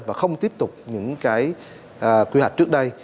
và không tiếp tục những cái quy hoạch trước đây